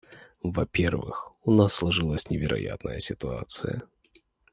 Во-первых, у нас сложилась невероятная ситуация.